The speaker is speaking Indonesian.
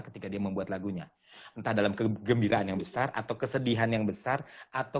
ketika dia membuat lagunya entah dalam kegembiraan yang besar atau kesedihan yang besar atau